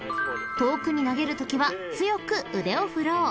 ［遠くに投げるときは強く腕を振ろう］